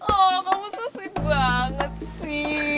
oh kamu so sweet banget sih